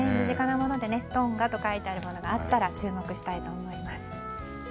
身近なもので、トンガと書いてあるものがあったら注目したいと思います。